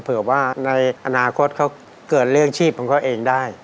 เผื่อว่าในอนาคตเขาเกิดเรื่องชีพของเขาเองได้